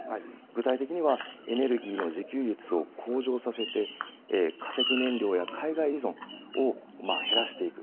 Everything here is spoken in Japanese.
具体的には、エネルギーの自給率を向上させて、化石燃料や海外依存を減らしていく。